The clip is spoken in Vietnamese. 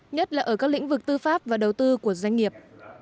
nhất là ở các lĩnh vực tư pháp và đầu tư của doanh nghiệp